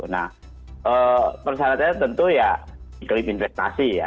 nah persyaratannya tentu ya iklim investasi ya